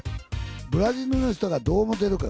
ブラジルの人がどう思ってるかや。